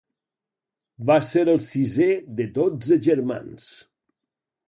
Va ser el sisé de dotze germans.